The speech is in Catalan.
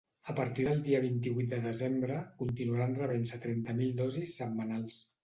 A partir del dia vint-i-vuit de desembre continuaran rebent-se trenta mil dosis setmanals.